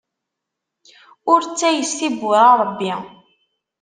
Ur ttayes tibbura n Ṛebbi!